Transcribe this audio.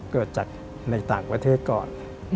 เกิดจากในต่างประเทศก่อน